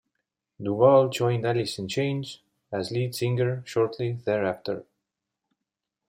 DuVall joined Alice in Chains as lead singer shortly thereafter.